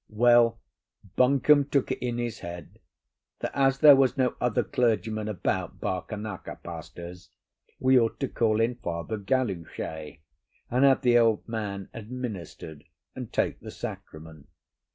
"Well, Buncombe took it in his head that, as there was no other clergyman about, bar Kanaka pastors, we ought to call in Father Galuchet, and have the old man administered and take the sacrament.